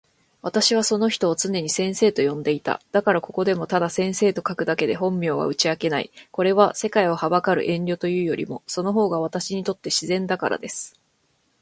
私はその人を常に先生と呼んでいた。だからここでもただ先生と書くだけで本名は打ち明けない。これは、世界を憚る遠慮というよりも、その方が私にとって自然だからです。